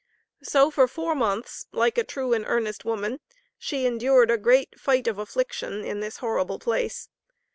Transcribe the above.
So for four months, like a true and earnest woman, she endured a great "fight of affliction," in this horrible place.